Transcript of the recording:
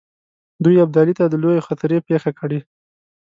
دوی ابدالي ته د لویې خطرې پېښه کړي.